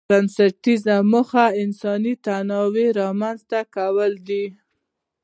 بنسټيزه موخه یې انساني تنوع رامنځته کول دي.